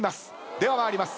では参ります。